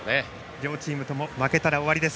両チームとも負けたら終わりです。